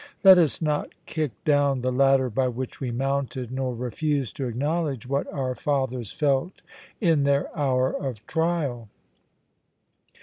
Let us not kick down the ladder by which we mounted, nor refuse to acknowledge what our fathers felt in their hour of trial.